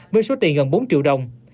với số tiền gần bốn triệu đồng